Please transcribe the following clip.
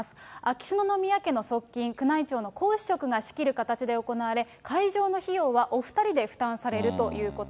秋篠宮家の側近、宮内庁の皇嗣職が仕切る形で行われ、会場の費用はお２人で負担されるということ